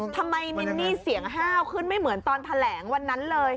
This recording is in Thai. มินนี่เสียงห้าวขึ้นไม่เหมือนตอนแถลงวันนั้นเลย